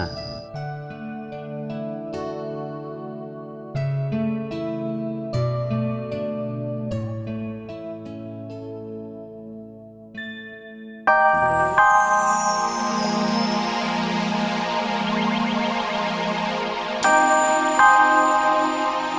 mereka bisa berdua